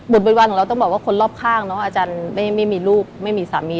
บริวารของเราต้องบอกว่าคนรอบข้างเนาะอาจารย์ไม่มีลูกไม่มีสามี